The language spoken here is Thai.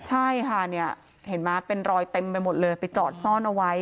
ใช่ค่ะเนี่ยเห็นไหมเป็นรอยเต็มไปหมดเลยไปจอดซ่อนเอาไว้